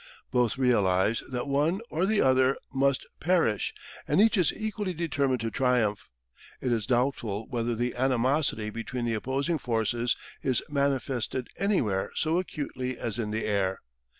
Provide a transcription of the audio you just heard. Both realise that one or the other must perish, and each is equally determined to triumph. It is doubtful whether the animosity between the opposing forces is manifested anywhere so acutely as in the air.